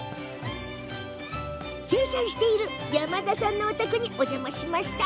生産している山田さんのお宅にお邪魔しました。